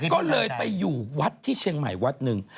ก็เลยไปอยู่วัดที่เชียงใหม่วัดหนึ่ง